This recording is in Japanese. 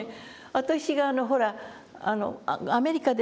私がほらアメリカですよ